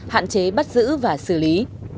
hạn chế bắt giữ và xử lý